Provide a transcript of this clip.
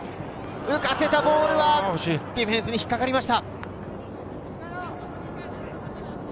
浮かせたボールはディフェンスに引っかかりました。